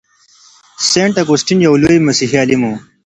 سینټ اګوستین یو لوی مسیحي عالم و.